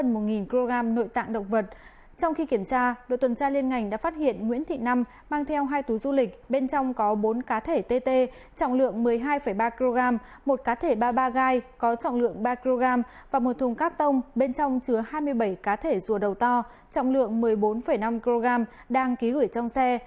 trong có bốn cá thể tt trọng lượng một mươi hai ba kg một cá thể ba mươi ba gai có trọng lượng ba kg và một thùng cát tông bên trong chứa hai mươi bảy cá thể rùa đầu to trọng lượng một mươi bốn năm kg đang ký gửi trong xe